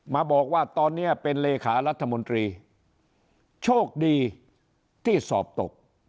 มาบอกว่าตอนนี้เป็นเลขารัฐมนตรีโชคดีที่สอบตก